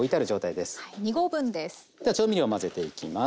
では調味料混ぜていきます。